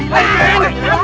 buah yang ditolongin